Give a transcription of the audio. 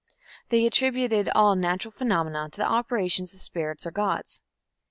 They attributed all natural phenomena to the operations of spirits or gods.